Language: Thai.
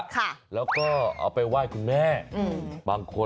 ค่ะแล้วก็เอาไปไหว้คุณแม่อืมบางคน